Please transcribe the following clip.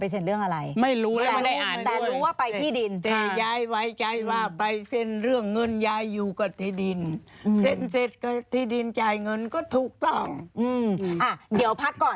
เซ็นเอาเงินเรื่องอะไร